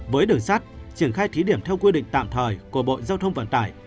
với đường sắt triển khai thí điểm theo quy định tạm thời của bộ giao thông vận tải